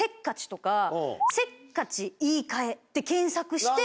「せっかち言い換え」で検索して。